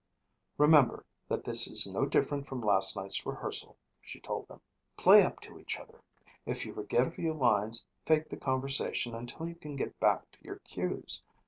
"Remember that this is no different from last night's rehearsal," she told them. "Play up to each other. If you forget a few lines, fake the conversation until you can get back to your cues.